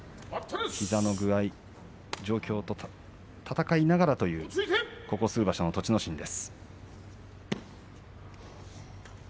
膝の具合と闘いながらというここ数場所の栃ノ心です。